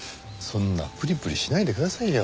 そんなプリプリしないでくださいよ。